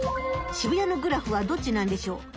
渋谷のグラフはどっちなんでしょう。